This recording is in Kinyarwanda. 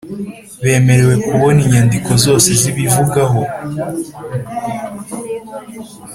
Bemerewe kubona inyandiko zose zibivugaho